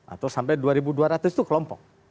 atau sampai dua dua ratus itu kelompok